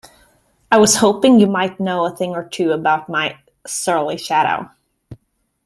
I was hoping you might know a thing or two about my surly shadow?